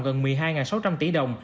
gần một mươi hai sáu trăm linh triệu đồng